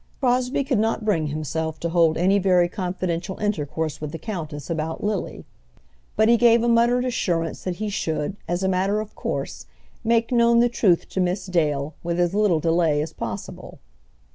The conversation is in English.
Crosbie could not bring himself to hold any very confidential intercourse with the countess about Lily; but he gave a muttered assurance that he should, as a matter of course, make known the truth to Miss Dale with as little delay as possible.